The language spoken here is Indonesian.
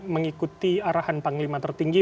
mengikuti arahan panglima tertinggi